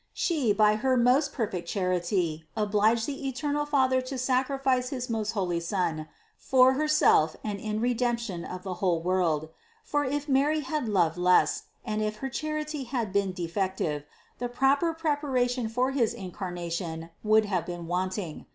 She, by her most perfect charity, obliged the eternal Father to sacrifice his most holy Son for Her self and in Redemption of the whole world; for if Mary had loved less and if her charity had been defective, the proper preparation for his Incarnation would have been wanting.